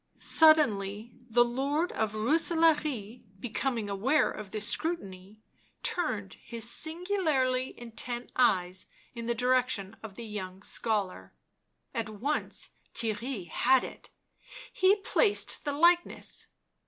Suddenly the Lord of Roose laare, becoming aware of this scrutiny, turned his singularly intent eyes in the direction of the young scholar. At once Theirry had it, he placed the like ness.